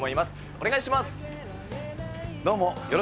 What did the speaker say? お願いします。